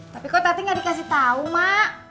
tapi kok tati nggak dikasih tahu mak